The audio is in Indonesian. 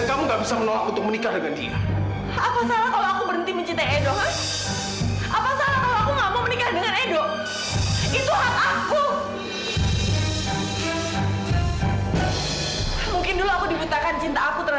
kamu gak bisa melihat sisi buruk kamila